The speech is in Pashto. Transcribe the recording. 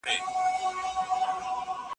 پخوانيو سياسي ډلو څه ډول فکر درلود؟